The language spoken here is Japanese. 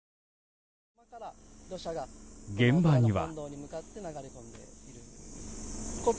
現場には。